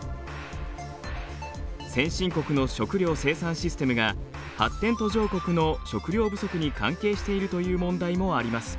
先進国の食料生産システムが発展途上国の食料不足に関係しているという問題もあります。